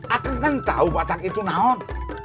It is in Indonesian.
akan mengetahui batak itu kan